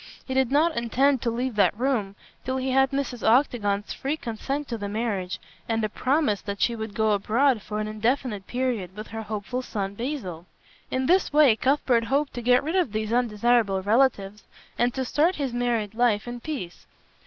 He did not intend to leave that room till he had Mrs. Octagon's free consent to the marriage and a promise that she would go abroad for an indefinite period with her hopeful son, Basil. In this way Cuthbert hoped to get rid of these undesirable relatives and to start his married life in peace.